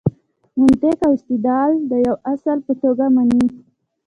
منطق او استدلال د یوه اصل په توګه مني.